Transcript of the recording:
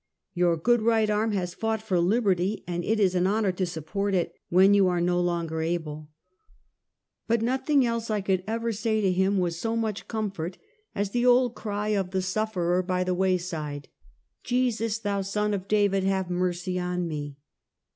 Your good right arm has fought for liberty, and it is an honor to support it, when you are no longer able." But nothing else I could ever say to him, was so much comfort as the old cry of the sufferer by the way Dkop my Alias. 263 side, " JesuSj thou son of David, have mercy on me."